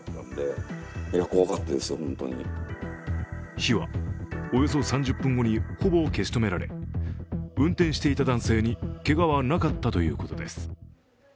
火はおよそ３０分後にほぼ消し止められ、運転していた男性にけがはなかったということです。